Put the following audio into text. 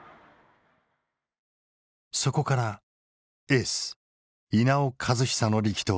そこからエース稲尾和久の力投で４連勝。